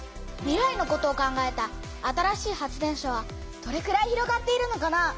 未来のことを考えた新しい発電所はどれくらい広がっているのかな？